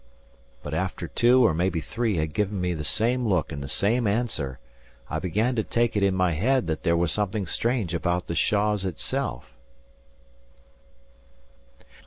But after two, or maybe three, had given me the same look and the same answer, I began to take it in my head there was something strange about the Shaws itself.